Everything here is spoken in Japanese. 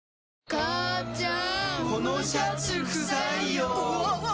母ちゃん！